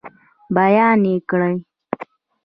بیان یې کړئ.